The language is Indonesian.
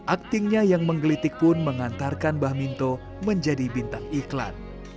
aktingnya yang menggelitik pun mengantarkan bah minto menjadi bintang iklan